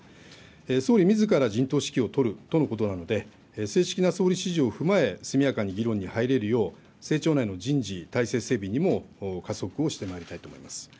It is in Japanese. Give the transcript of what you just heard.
総理みずから陣頭指揮を取るとのことなので、正式な総理指示を踏まえ、議論に入れるよう政調内の人事、体制整備にも加速をしてまいりたいと思います。